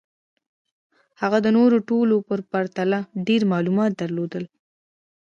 هغه د نورو ټولو په پرتله ډېر معلومات درلودل